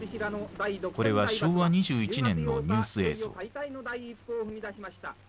これは昭和２１年のニュース映像。